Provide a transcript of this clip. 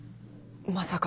まさか。